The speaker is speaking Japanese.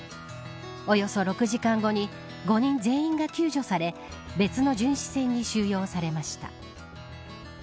およそ６時間後に５人全員が救助され別の巡視船に収容されました。